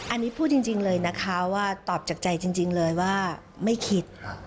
อันนี้พูดจริงเลยนะคะว่าตอบจากใจจริงเลยว่าไม่คิด